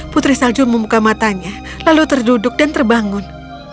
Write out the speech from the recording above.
putri salju membuka matanya lalu terduduk dan terbangun